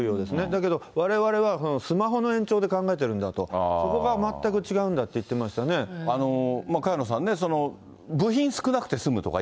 だけど、われわれはスマホの延長で考えてるんだと、そこが全く違うんだっ萱野さんね、部品少なくて済